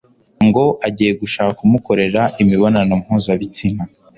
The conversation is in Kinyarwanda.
ngo agiye gushaka umukorera imibonano mpuzabitsina